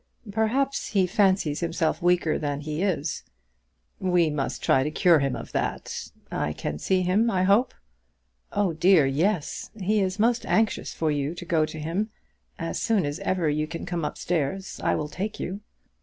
"Perhaps he fancies himself weaker than he is." "We must try and cure him of that. I can see him, I hope?" "Oh dear, yes. He is most anxious for you to go to him. As soon as ever you can come up stairs I will take you."